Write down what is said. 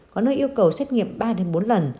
có nơi yêu cầu xét nghiệm ba bốn lần